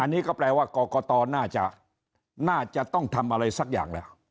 อันนี้ก็แปลว่ากรกตน่าจะน่าจะต้องทำอะไรสักอย่างแล้ว